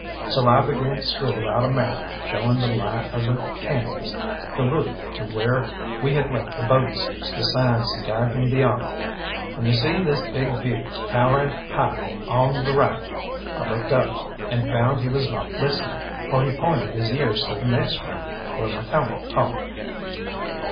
So I began to scribble out a map showing the lie of the Cañons, the route to where we had left the boats, the signs to guide him beyond. "When you see this big butte towering high on the right " I looked up, and found he was not listening, for he pointed his ears to the messroom where McCalmont talked.